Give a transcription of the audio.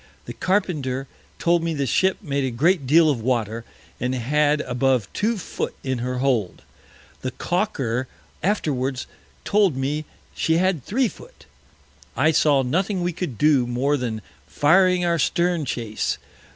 The Carpenter told me the Ship made a great deal of Water, and had above two Foot in her Hold. The Caulker afterwards told me she had three Foot. I saw nothing we could do more than firing our Stern Chase.